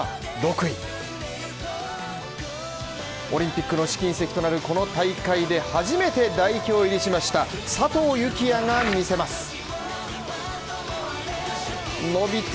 オリンピックの試金石となるこの大会で初めて代表入りしました佐藤幸椰が見せます。